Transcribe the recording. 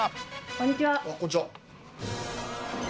こんにちは。